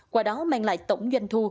qua đó mang lại tổng doanh thu